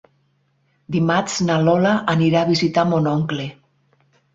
Dimarts na Lola anirà a visitar mon oncle.